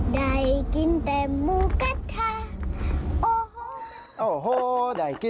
ได้กินแต่หมูกาทะ